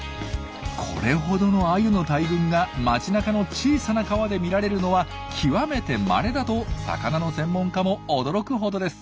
これほどのアユの大群が街なかの小さな川で見られるのは極めてまれだと魚の専門家も驚くほどです。